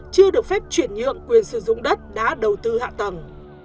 chưa được phép chuyển nhượng quyền sử dụng đất đã đầu tư hạ tầng